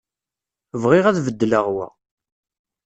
Bɣiɣ ad d-beddleɣ wa.